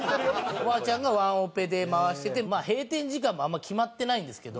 おばあちゃんがワンオペで回しててまあ閉店時間もあんま決まってないんですけど。